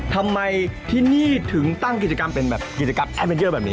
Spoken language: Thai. ทำไมที่นี่ถึงตั้งกิจกรรมเป็นแบบกิจกรรมแอดเมนเยอร์แบบนี้